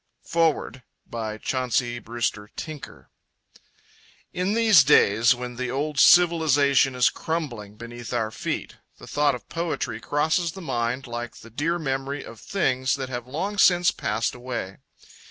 Foreword by Chauncey Brewster Tinker In these days when the old civilisation is crumbling beneath our feet, the thought of poetry crosses the mind like the dear memory of things that have long since passed away.